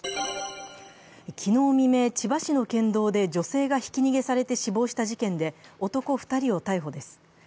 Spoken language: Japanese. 昨日未明、千葉市の県道で女性がひき逃げされて死亡した事件で男２人を逮捕です。